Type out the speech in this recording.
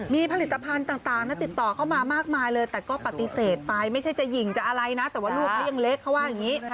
มีผลิตภัณฑ์ต่างติดต่อเข้ามามากมายเลยแต่ก็ปฏิเสธไปไม่ใช่จะหญิงจะอะไรนะแต่ว่าลูกเขายังเล็กเขาว่าอย่างนี้